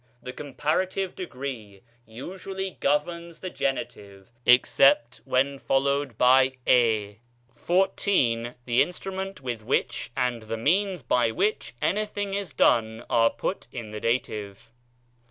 The comparative degree usually governs the genitive, except when followed by 4%. XIV. The instrument with which and the means by which anything is done are put in the dative.